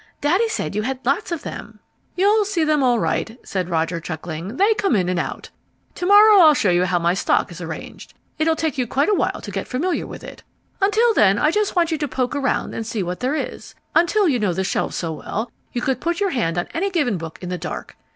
Daddy said you had lots of them." "You'll see them, all right," said Roger, chuckling. "They come in and out. To morrow I'll show you how my stock is arranged. It'll take you quite a while to get familiar with it. Until then I just want you to poke around and see what there is, until you know the shelves so well you could put your hand on any given book in the dark.